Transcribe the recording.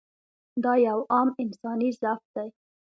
دا یو عام انساني ضعف دی.